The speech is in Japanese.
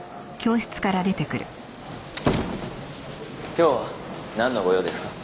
今日はなんのご用ですか？